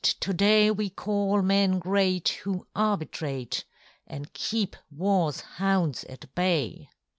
To day We call men great who arbitrate And keep warŌĆÖs hounds at bay.